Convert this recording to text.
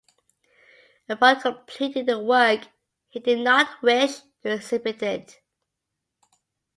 Upon completing the work he did not wish to exhibit it.